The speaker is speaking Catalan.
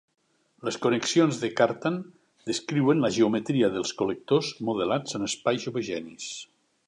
Les connexions de Cartan descriuen la geometria dels col·lectors modelats en espais homogenis.